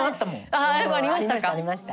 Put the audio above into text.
ああありましたか。